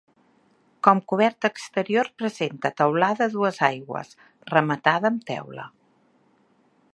Com coberta exterior presenta teulada a dues aigües, rematada amb teula.